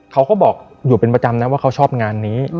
เขาก็บอกอยู่เป็นประจำนะว่าเขาชอบงานนี้